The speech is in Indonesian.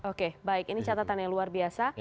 oke baik ini catatannya luar biasa